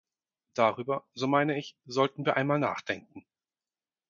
Darüber, so meine ich, sollten wir einmal nachdenken.